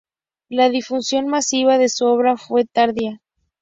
La difusión masiva de su obra fue tardía.